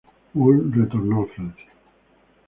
Woll retornó a Francia.